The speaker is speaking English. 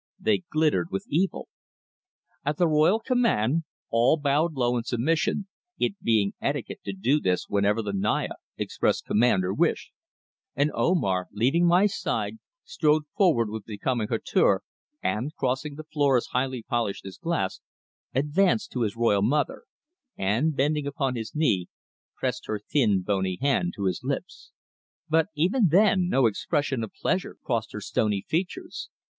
They glittered with evil. At the royal command all bowed low in submission, it being etiquette to do this whenever the Naya expressed command or wish, and Omar, leaving my side, strode forward with becoming hauteur, and, crossing the floor as highly polished as glass, advanced to his royal mother, and, bending upon his knee, pressed her thin, bony hand to his lips. But even then no expression of pleasure crossed her stony features.